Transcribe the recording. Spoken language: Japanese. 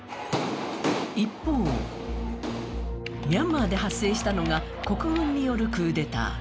一方、ミャンマーで発生したのが国軍によるクーデター。